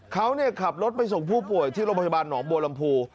เขาขับรถไปส่งผู้ป่วยที่โรงพยาบาลหนองบัวลำพู